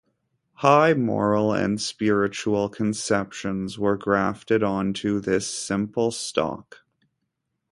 High moral and spiritual conceptions were grafted onto this simple stock.